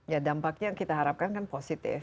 ya dampaknya yang kita harapkan kan positif